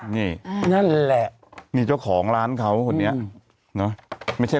นี่นั่นแหละนี่เจ้าของร้านเขาคนนี้เนอะไม่ใช่